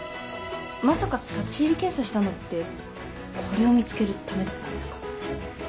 まさか立入検査したのってこれを見つけるためだったんですか？